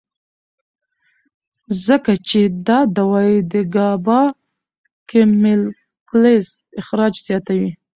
ځکه چې دا دوائي د ګابا کېميکلز اخراج زياتوي